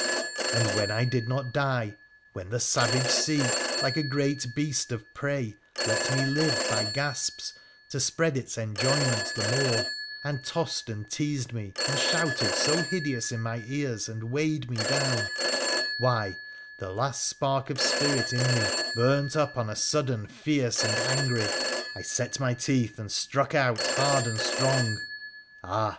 And when I did not die, when the savage sea, like a great beast of prey, let me live by gasps to spread its enjoyment the more, and tossed and teased me, and shouted so hideous in my ears and weighed me down — why, the last spark of spirit in me burnt up on a sudden, fierce and angry. I set my teeth and struck out hard and strong. Ah